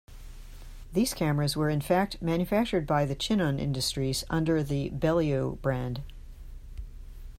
These cameras were in fact manufactured by Chinon Industries under the Beaulieu brand.